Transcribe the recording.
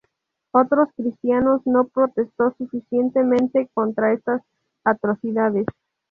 Otros cristianos no protestó suficientemente contra estas atrocidades.